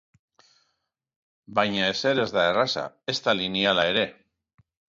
Baina ezer ez da erraza, ezta lineala ere.